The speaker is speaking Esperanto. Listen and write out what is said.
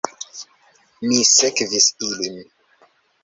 Mi sekvis ilin.